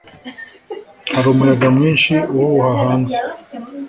Hari umuyaga mwinshi uhuha hanze.